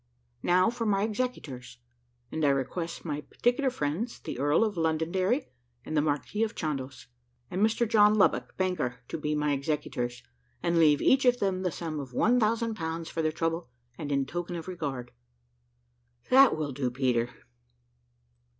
Now for my executors, and I request my particular friends, the Earl of Londonderry, the Marquis of Chandos, and Mr John Lubbock, banker, to be my executors, and leave each of them the sum of one thousand pounds for their trouble, and in token of regard. That will do, Peter.